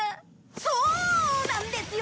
そうなんですよ